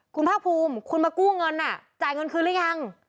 คุณภาคภูมิคุณมากู้เงินจ่ายเงินคืนหรือยัง